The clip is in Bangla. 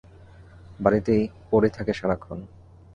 বাড়িতেই পড়ে থাকে সারাক্ষণ।